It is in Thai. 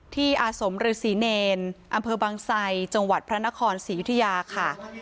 อาสมฤษีเนรอำเภอบางไซจังหวัดพระนครศรียุธยาค่ะ